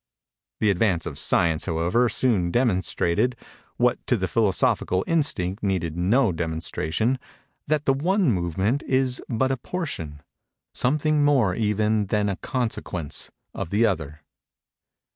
The advance of Science, however, soon demonstrated—what to the philosophical instinct needed no demonstration—that the one movement is but a portion—something more, even, than a consequence—of the other.